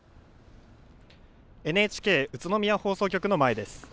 ＮＨＫ宇都宮放送局の前です。